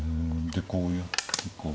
でこうやってか。